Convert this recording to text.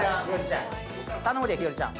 頼むで、ひよりちゃん。